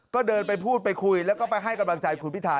ก็เดินไปพูดไปคุยแล้วก็ไปให้กำลังใจคุณพิธา